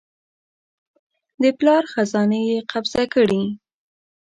د پلار خزانې یې قبضه کړې.